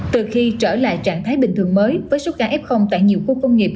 từ khi trở lại trạng thái bình thường mới với số ca f tại nhiều khu công nghiệp